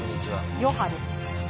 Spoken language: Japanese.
余波です。